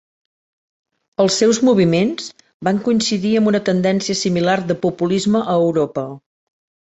Els seus moviments van coincidir amb una tendència similar de populisme a Europa.